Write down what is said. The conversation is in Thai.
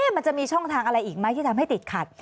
มันจะมีช่องทางอะไรอีกไหมที่ทำให้ติดขัด